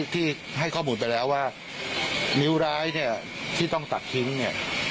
ที่ให้ข้อมูลไปแล้วว่านิ้วร้ายเนี่ยที่ต้องตัดทิ้งเนี่ย